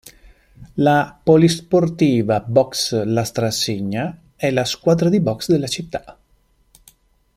La "Polisportiva Boxe Lastra a Signa" è la squadra di boxe della città.